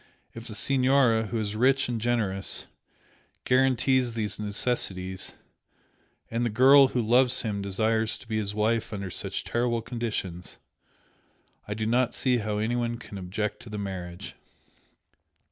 If the Signora, who is rich and generous, guarantees these necessities, and the girl who loves him desires to be his wife under such terrible conditions, I do not see how anyone can object to the marriage."